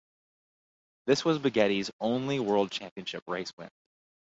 This was Baghetti's only World Championship race win.